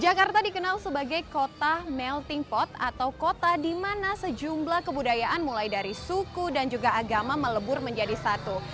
jakarta dikenal sebagai kota melting pot atau kota di mana sejumlah kebudayaan mulai dari suku dan juga agama melebur menjadi satu